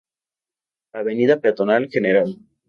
Avenida Peatonal Gral.